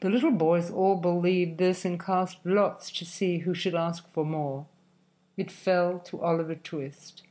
The little boys all believed this and cast lots to see who should ask for more. It fell to Oliver Twist.